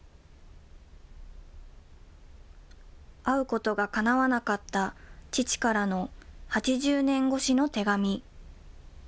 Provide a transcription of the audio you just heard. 会うことがかなわなかった父からの８０年越しの手紙。